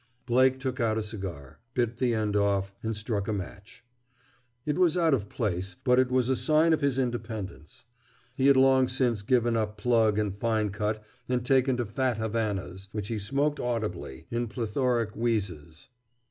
Blake took out a cigar, bit the end off, and struck a match. It was out of place; but it was a sign of his independence. He had long since given up plug and fine cut and taken to fat Havanas, which he smoked audibly, in plethoric wheezes.